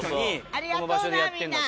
ありがとうなみんな。